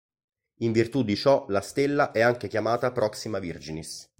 In virtù di ciò, la stella è anche chiamata Proxima Virginis.